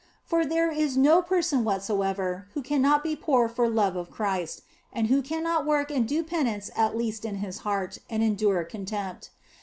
For there is no person whatsoever who can not be poor for love of Christ, and who cannot work and do penance at least in his heart, and endure contempt.